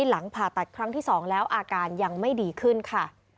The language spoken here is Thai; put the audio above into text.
หลังผ่าตัดครั้งที่๒แล้วอาการยังไม่ดีขึ้นค่ะ